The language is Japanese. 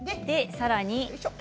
さらに。